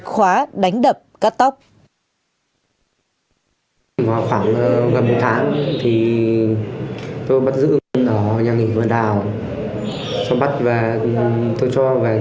khóa đánh đập cắt tóc